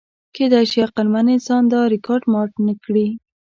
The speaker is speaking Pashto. کېدی شي عقلمن انسان دا ریکارډ مات نهکړي.